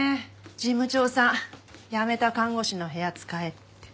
事務長さん辞めた看護師の部屋使えって。